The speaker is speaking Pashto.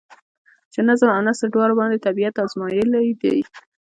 چې نظم او نثر دواړو باندې طبېعت ازمائېلے دے ۔